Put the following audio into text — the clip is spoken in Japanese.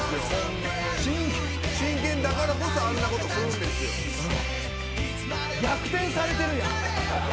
真剣だからこそあんなことするんですよ。逆転されてるやん。